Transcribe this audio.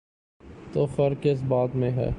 تو فرق کس بات میں ہے؟